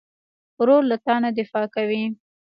ورور له تا نه دفاع کوي.